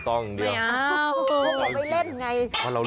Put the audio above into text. อู๋ลองกรี๊บจนอาจารย์ไป